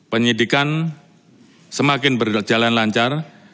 penyidikan semakin berjalan lancar